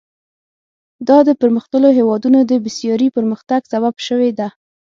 دا د پرمختللو هېوادونو د بېساري پرمختګ سبب شوې ده.